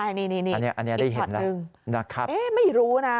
อันนี้ได้เห็นแล้วนะครับไม่รู้นะ